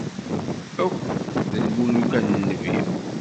Akk d lmuluka d Nnbi.